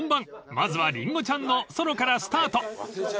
まずはりんごちゃんのソロからスタート］